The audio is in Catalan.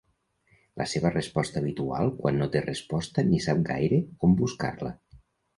La seva resposta habitual quan no té resposta ni sap gaire on buscar-la.